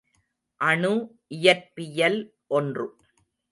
அணு இயற்பியல் ஒன்று.